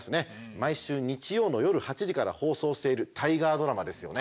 毎週日曜の夜８時から放送しているタイガードラマですよね。